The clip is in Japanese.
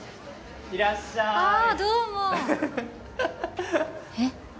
いらっしゃいああどうもえっ？